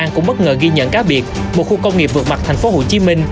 cũng bất ngờ ghi nhận cá biệt một khu công nghiệp vượt mặt tp hcm